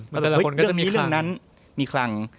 ให้ตัวนี้เรื่องนั้นนั้นมีคลัง